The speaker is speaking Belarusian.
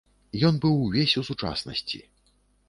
Ён быў увесь у сучаснасці.